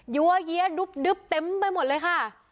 หัวเยี้ยดึ๊บเต็มไปหมดเลยค่ะ